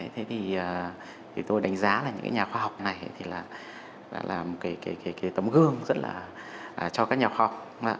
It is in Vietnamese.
thế thì tôi đánh giá là những cái nhà khoa học này thì là một cái tấm gương rất là cho các nhà khoa học